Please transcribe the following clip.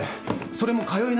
それも通い